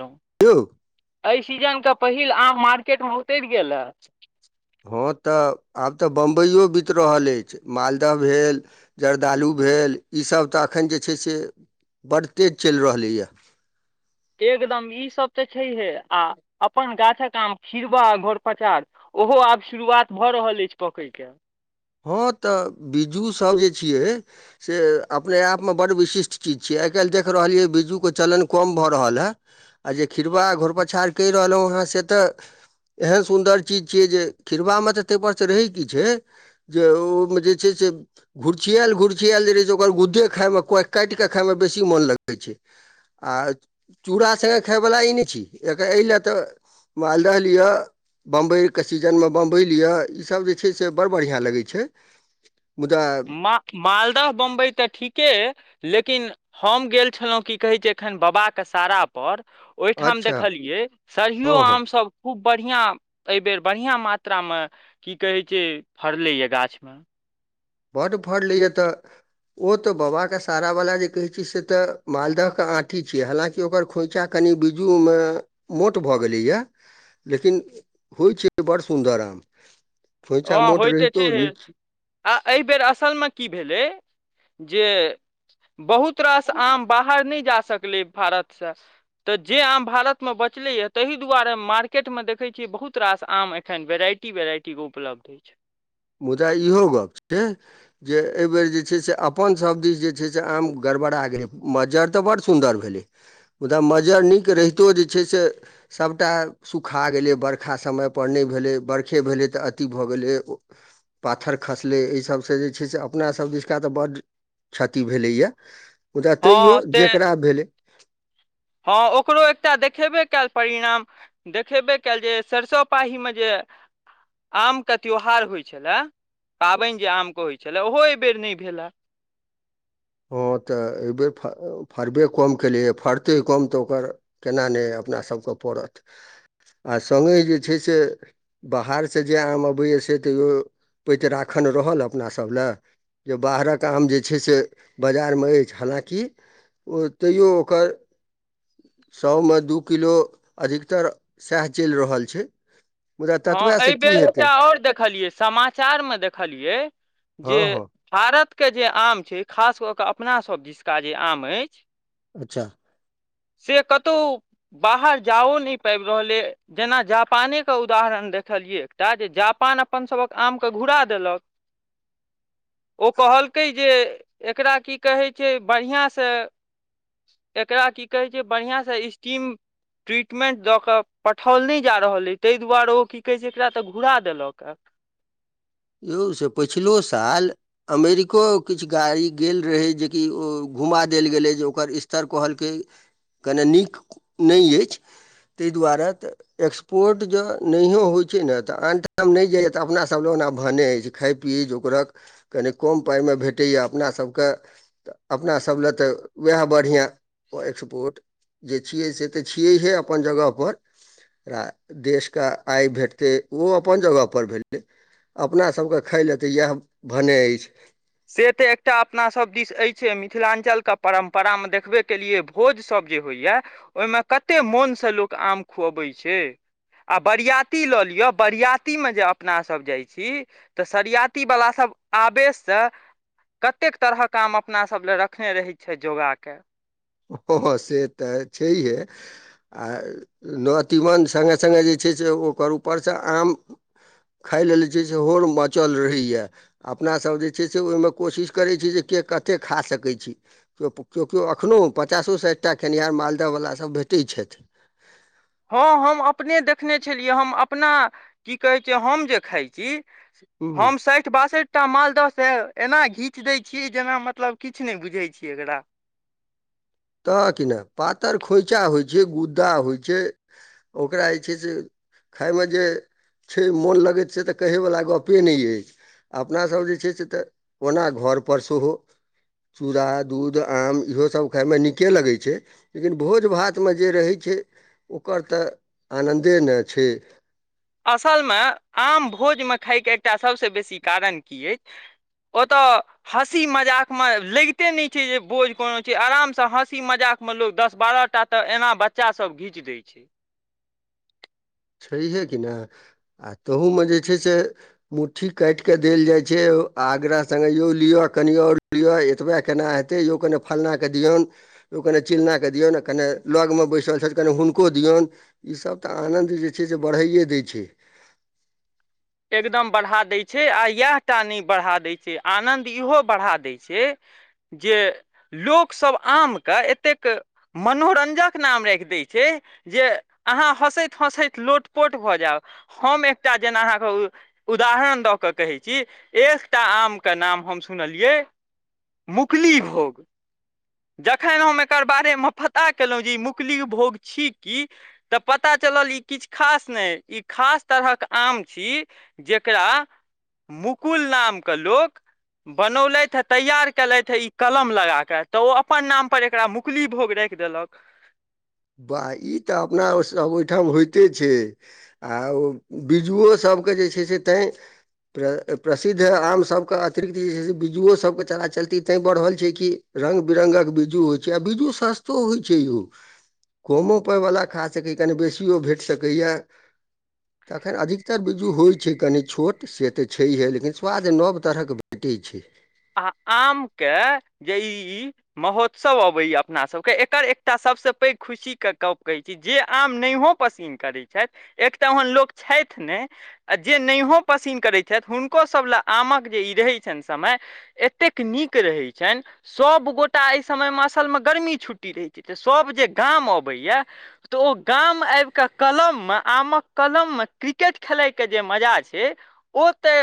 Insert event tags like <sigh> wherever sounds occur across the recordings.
हुँ यौ एहि सीजनके पहिल आम मार्केटमे उतर गेलए हँ तऽ आब तऽ बम्बइयओ बीत रहल अछि मालदह भेल जर्दालु भेल इ सब अखन जे छै बड तेज चल रहलिए एकदम ई सब तऽ छैहे आ अपन गाछक खिरबा घोर पचार ओहो आब शुरुआत भऽ रहल अछि पकैके हँ तऽ बिज्जू सभ जे छियै से अपने आपमे बड़ विशिष्ट चीज छियै आहि आइ काल् देख रहलियै बिजू के चलन कम भऽ रहल हे आ जे खिरवा घोर पाछार कइह रहल है से तऽ एहन सुन्दर चीज छियै जे खिरवा तऽ ताहि त रहै क छै जे ओ में जे छै से घुुरछियाल घुुरछिियल जे रहे छै ओकर गुद्दे खाय मे काट के खाय मे बेसी मोन लगै छै आ चूड़ा सङ्गे खायवला ई नहि छी एक एहि लेल तऽ मालदह लिअ बम्बई के सीजन मे बम्बई लिअ ईसभ जे छै से बड़ बढ़िया लगै छै छै माल मालदह बम्बइ तऽ ठीके लेकिन हम गेल छलहुँ की कहैत छै एखन बाबा के सारापर ओहिठाम अच्छा देखलियै हँ सरियो हँ आमसब खूब बढ़ियां एहिबेर बढ़ियां मात्रामे की कहैत छै फड़लैए गाछमे बट फर लै या तऽ ओ तऽ बाबाके सारा वला जे कहैत छै से तऽ मालदहके आँठी छियै हालाँकि ओकर खोइछा कनि कनि बीजू मे मोट भऽ गेलैया लेकिन होइ छै बड़ सुन्दर आम खोँइछा ओ मोट होइते रहितो छेहे नीक आ एहि बेर असल मे की भेलै जे बहुत रास आम बाहर नहि जा सकलै भारत से तऽ जे आम भारत मे बच बचले या ताहि दुआरे मार्केट मे देखै छियै बहुत रास आम एखन वेराइटी वेराइटीे उपलब्ध छै मुदा इहो गप् छै जे एहिबेर जे छै से अपन सब दिस जे छै से आम ग गरबरा गेलै मज्जर तऽ बड्ड सुन्दर भेलै मुदा मज्जरी नीक रहितो जे छै से सबटा सुखा गेलै बरखा समयपर नहि भेलै बरखे भेलै तऽ अति भऽ गेलै ओ पा्थर खसलै एहि सबसे जे छै से अपनासब दिशका तऽ बड्ड क्षति भेलैए मुदा तैयो जेकरा भेलै हाँ ओकरो एकटा देखेबे कयल परिणाम देखेबे कयल जे सरिसो पाही मे जे आम के त्यौहार होइ छलए पाबन जे आमके होइ छलए ओहो एहिबेर नहि भेलए <inaudible> हँ तऽ एहिबेर फ फड़बे कम केलियै फड़तै कम तऽ ओकर केना नहि अपना सबके पड़त आ संगहि जे छै से बाहरसे जे आम अबैए से तैओ पैत राखन रहल अपनासब लेलए जे बाहरक आम जे छै से बाजार में अछि हालँकि ओ तैओ ओकर सौ मे दू किलो अधिकतर सएह चलि रहल छै मुदा हाँ ततबएसँ एहि की बेर हेतै एकटा ओर देखलियै समाचार मे देखलियै हँ जे हँ भारत के जे आम छै खास कऽ कऽ अपनासभ दिसका जे आम अई अच्छा से कतहु बाहर जाओ नहि पाबि रहल अ जेना जापाने क उदाहरण देखलियै एकटा जे जापान अपन सभक आमके घुरा देलक ओ कहलकै जे एकरा की कहै छै बढ़ियां से एकरा की कहै छै बढ़ियां से स्टीम ट्रीटमेंट दऽ कऽ पठाओल नहि जा रहल अ ताहि दु त दुआरे ओ की कहै छै एकरा तऽ घुरा देलक यौ से पछिलो साल अमेरिको किछु गाड़ी गेल रहै जेकि ओ घुमा देल गेलै जे ओकर स्तर कहलकै कने नीक नहि अछि तहि दुआारे तऽ एक्सपोर्ट जे नहि होइत छै ने तऽ आन ठाम नहि जाइए तऽ अपनासब ल ओना भनै अइछ खाये पिये जोगरक कनि कम पाई मे भेटयै सब ले तऽ वएह बढ़िया एक्सपोर्ट जे छियै से तऽ छियैहे अपन जगहपर र देशके आय भेटतै ओ अपन जगहपर भैटतै अपना सबके खाइ लए तऽ इएह भने अछि से तऽ एकटा अपनासभ दिस अछि मिथिलाञ्चल के परम्परामे देखबे केलियै भोजसब जे होइया ओहिमे कते मोन से लोक आम खुआबै छै आ बरियाती लऽ लियअ बरियाती मे जे अपनासब जाइ छी तऽ सरियती वला सब आबेश से कतेक तरह काम अपनासब लए रखने रहै छै जोगा के हँ हँ से तऽ छैहे आ नौ तीमन सङ्गे सङ्गे जे छै जे ओकर उपरसँ आम खाइ लेल जे छै से होर मचल रहैए अपनासभ जे छै से ओहिमे कोशिश करैत छी जे के कते खा सकै छी केओ केओ एखनो पचासो साठिटा खेनिहार मालदह वला सभ भेटै छथि हँ हम अपने देखने छलियै हम अपना की कहैत छै हम जे खाइत छी हूँ हम साठि बासठ एकटा मालदहसँ एना घीच दै छियै जेना मतलब किछु नहि बुझै छियै एकरा <inaudible> त कि नहि पातरि खोंइचा होइ छै गुद्दा होइ छै ओकरा जे छै से खायमे जे छै मोन लगैत से तऽ कहयवला गप्पे नहि अछि अपनासभ जे छै से तऽ ओना घरपर सेहो चूड़ा दूध आम इहो सब खाइमे नीके लगै छै लेकिन भोज भातमे जे रहै छै ओकर तऽ आनन्दे न छै असलमे आम भोजमे खायके एकटा सभसँ बेसी कारण की अछि ओतय हँसी मजाकमे लगिते नहि छै जे बोझ कोनो छै आरामसँ हँसी मजाक म लोक दस बारह टा तऽ एना बच्चा सभ घीच दै छै <inaudible> छैहे कि नहि आ ताहूमे जे छै से मुट्ठी काटिके देल जाइ छै आ आग्रह सङ्गे यौ लिअ कनि और लिअ एतबे केना हेतै यौ कनि फलनाँ के दिऔन कनि चिलना के दिऔन कनि लौग में बैसल छैथ कनि हूनको दिऔन इ सब त आनंद जे छै से बढ़ाइए दै छै एकदम बढ़ा दै छै आ इएहटा नहि बढ़ा दै छै आनंद इहो बढ़ा दै छै जे लोकसभ आम क एतेक मनोरंजक नाम राखि दैत छै जे अहाँ हँसैत हँसैत लोटपोट भऽ जाउ हम एकटा जेना उ उदाहरण दऽ कऽ कहै छी एकटा आमके नाम हम सुनलियै मुकली भोग जखन हम एकर बारे मे पता केलहुँ जे ई मुकलि भोग छी की तऽ पता चल चलल ई किछु खास नहि ई खास तरहक आम छी जकरा मुकुल नामके लोक बनौलथि हे तैयार केलथि है ई कलम लगा कऽ तऽ ओ अपन नाम पर एकरा मुकली भोग राखि देलक वाह ई तऽ अपनासभ ओहिठाम होइते छै आ बिज्जुओसभ सभके जे छै से तै प्र प्रसिद्ध आमसभके अतिरिक्त जे छै से बिज्जुओसभके चला चलती तैं बढ़ल छै कि रंग बिरंगक बीजू होइ छै आ बीजू सस्तो होइ छै यो कमो पायवला खा सकैए कनी बेसिओ भेट सकैए तखन अधिकतर बीजू होइत छै कनि छोट से तऽ छैहे लेकिन स्वाद नव तरहक भेटै छै आ आमके जे ई महोत्सव अबैया अपनासभके एकर एकटा सभसँ पैघ खुशी के गप कहैत छी जे आम न‌इहो पसीन करैत छथि एक तऽ ओहन लोक छथि नहि आ जे न‌इहो पसीन करैत छथि हुनको सभ ला आमक जे ई रहै छनि समय एतेक नीक रहैत छनि सभगोटा एहि समयमे असलमे गर्मी छुट्टी रहैत छै त सब जे गाम अबैया तऽ ओ गाम आबि के कलम मे आमक कलम मे क्रिकेट खेलयके जे मजा छै ओ तऽ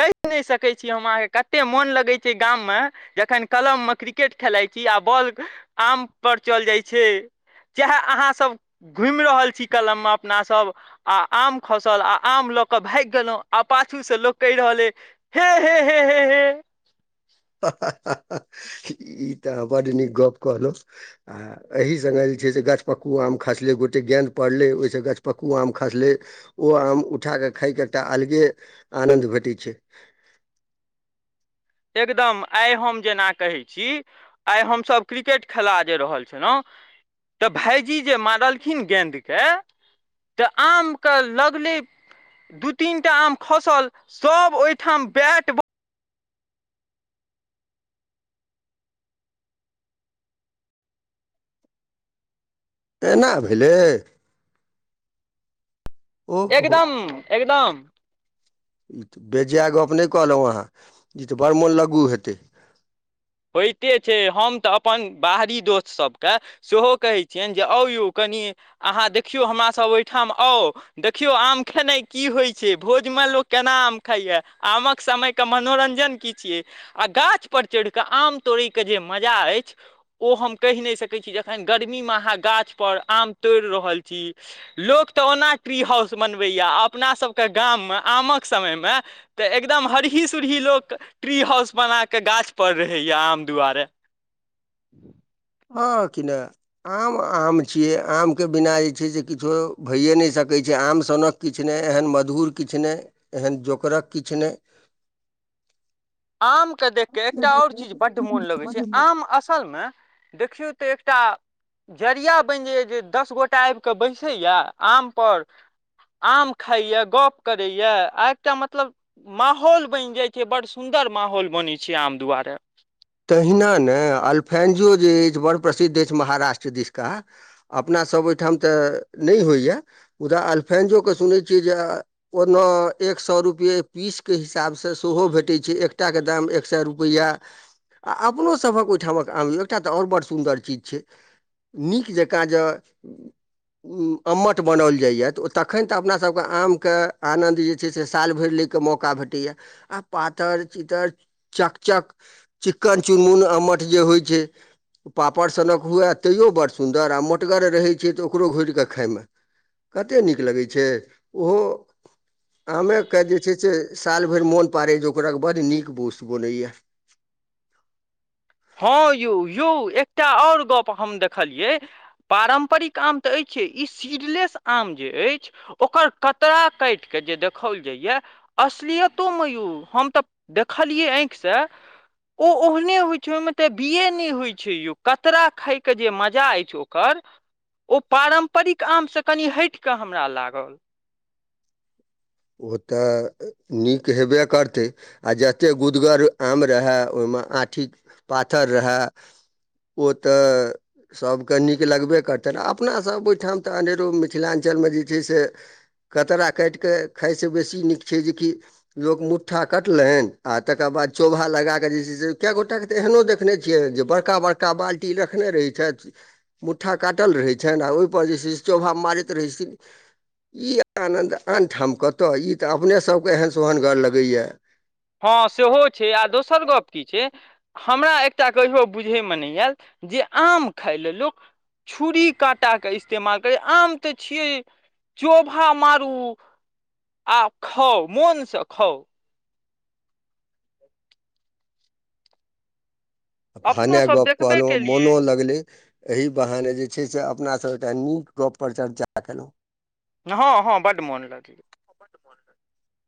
कहि नहि सकै छी हम अहाँके कते मोन लगे छै गाम में जखन कलम मे क्रिकेट खेलाइ छी आ बॉल आम पर चल जाइ छै चाहे अहाँ सब घुमि रहल छी कलम मे अपना सब आ आम खसल आ आम लऽ कऽ भागि गेलहुँ आ पाछू से लोक कहि रहल है हे हे हे हे हे ह ह ह ह इ तऽ बड नीक गप कहलऊ आ एहि संगे छै गाछ पक्कु आम आम खसले गोटे गेद पड़ले ओहि गछपक्कू आम खसले ओ आम उठा खाय के एकटाल जे आनन्द भेटि छै एकदम आइ हम जेना कहै छी आइ हमसभ क्रिकेट खेला जे रहल छलहुँ तऽ भायजी जे मारलखिन गेदके तऽ आमके लगले दू तीन टा आम खसल सभ ओहिठाम बैट बॉल एना भेलै ओहो एकदम एकदम ई तऽ बेजाय गप्प नहि कहलहुँ अहाँ ई तऽ बड़ मोन लगू हेतै होइते छै हम तऽ अपन बाहरी दोस्तसभकेँ सेहो कहैत छियनि जे आउ यौ कनि क अहाँ देखियौ हमरा सब ओहिठाम आउ देखियौ आम खेनाइ की होइ छै भोज लोको केना आम खाइया आमक समय के मनोरंजन की छियै आ गाछ पर चढ़ आम तोड़ै के जे मजा अछि ओ हम कहि नहि सकैत छी जखन गर्मी मे अहाँ गाछ पर आम तोड़ि रहल छी लोक तऽ ओना ट्री हाउस बनबैया अपना सबके गाममे आमक समय मे तऽ एकदम हरही सुरही लोक ट्री हाउस बनाक गाछ पड़ रहेै या आम दुआारे ह कि नहि आम आम छियै आम के बिना जे छै से किछो भयए नहि सकैत छै किछु आम सनक किछु नहि एहन मधुर किछु नहि एहन जोकरक किछु नहि <inaudible> आम के देख के एकटा और चीज बड मोन लगे छै आम असल मे देखियो तऽ एकटा जरिया बनि जाइए जे दस गोटाए आबि कऽ बैसैए आमपर आम खाइए गप्प करैए आ एकटा मतलब माहौल बनि जाइत छै बड सुन्दर माहौल बनै छै आम दुआरे तहिना ने अलफेन्जो जे अछि बड़ प्रसिद्ध अछि महाराष्ट्र दिशका अपना सब ओहिठाम तऽ नहि होइया मुद्दा अलफेंजो के सुनै छियै जे ओना एक सए रुपैए पीसके हिसाबसँ सेहो भेटै छै एकटाके दाम एक सए रुपैआ आ अपनोसभक ओहिठामक आम य एकटा तऽ आओर बड् सुन्दर चीज छै नीक जँकाँ जेँ अम्मट बनाओल जाइए तऽ ओ तखन तऽ अपनासभके आमके आनन्द जे छै से साल भरि ल के मौका भेटैया आ पातर चितर चकचक चिकन चुनमुन आमठ जे होइ छै पापड़ सनक हुए तैयो बडड़ड सुन्दर आ मोटगर रहै छै तऽ ओकरो घोरि कऽ खाइमे कतेक नीक लगै छै ओहो आमेके जे छै से साल भरि मोन पड़ैए जोकरक बड्ड नीक वोस बनैए हँ यौ यौ एकटा आओर गप हम देखलियै पारम्परिक आम तऽ अछि ई सीडलेस आम जे अछि ओकर कतरा काटि के जे देखाओल जाइय असलियतो मे य हम तऽ देखलियै आँखि से ओ ओहने होइ ओहिमे तऽ बिए नहि होइत छै यौ कतरा खायके जे मजा अछि ओकर ओ पारम्परिक आम सँ कनि हटि कऽ हमरा लागल ओ तऽ नीक हेबे करतै आ जतेक गुदगर आम रहए ओहिमे आठी पातर रहै ओ तऽ सभके नीक लगबे करतनि आ अपनासभ ओहिठाम तऽ अनेरो मिथिलाञ्चल मे जे छै से कतरा काटिक खाइसँ बेसी नीक छै जेकि लोक मुट्ठा कटलनि आओ तकर बाद चोभा लगाकऽ जे छै से कए गोटा के तऽ एहनो देखने छियै जे बड़का बड़का बाल्टी रखने रहै छैथ मु्ठा काट कटल रहै छनि आ ओहि पर जे चोभा मारैत रहै छथि ई आनन्द आनठाम कतय ई तऽ अपने सभके एहन सोहनगर लगैए हँ सेहो छै आ दोसर गप की छै हमरा एकटा कहियो बुझैमे नहि आयल जे आम खााय लए लोक छुरी काँटा के इस्तेमाल करै आम तऽ छियै चोभा मारु आ खौ मौनसँ खौ अपनो भनै सब गप देखबे कहलहुँ मोनो केलियै लगले एही बहाने जे छै से अपनासभ एकटा नीक गप पर चर्चा कयलहुँ हँं हँ बड मोन लगै <inaudible>